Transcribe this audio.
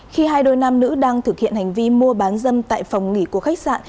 khi hai đôi nam nữ đang thực hiện hành vi mua bán dâm tại phòng nghỉ của khách sạn